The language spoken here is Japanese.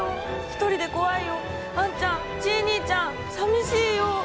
一人で怖いよあんちゃんチイ兄ちゃんさみしいよ。